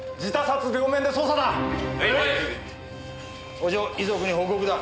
お嬢遺族に報告だ。